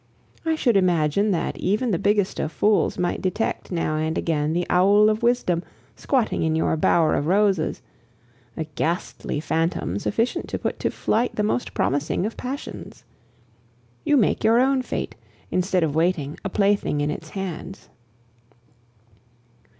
I should imagine that even the biggest of fools might detect now and again the owl of wisdom squatting in your bower of roses a ghastly phantom sufficient to put to flight the most promising of passions. You make your own fate, instead of waiting, a plaything in its hands.